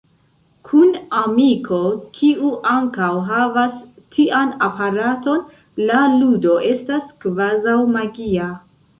Kun amiko, kiu ankaŭ havas tian aparaton, la ludo estas kvazaŭ magia.